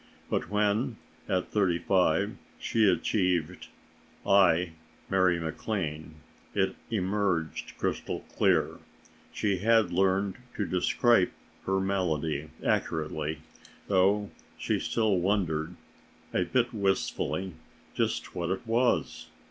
But when, at thirty five, she achieved "I, Mary MacLane," it emerged crystal clear; she had learned to describe her malady accurately, though she still wondered, a bit wistfully, just what it was.